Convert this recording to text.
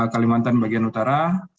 kalimantan bagian utara